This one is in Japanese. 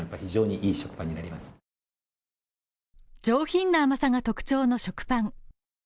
上品な甘さが特徴の食パン。